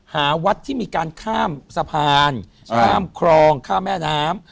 หาวัดที่มีการข้ามสะพานข้ามคลองข้ามแม่น้ำ